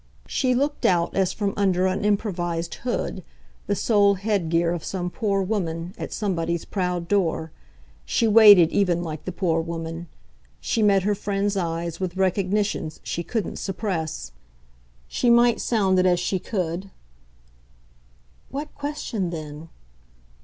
She looked out as from under an improvised hood the sole headgear of some poor woman at somebody's proud door; she waited even like the poor woman; she met her friend's eyes with recognitions she couldn't suppress. She might sound it as she could "What question then?"